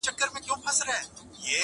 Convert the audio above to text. په عین و شین و قاف کي هغه ټوله جنتونه،